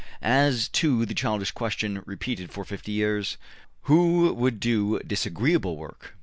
As to the childish question, repeated for fifty years: `Who would do disagreeable work?'